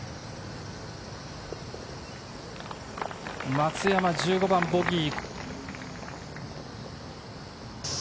松山、１５番ボギー。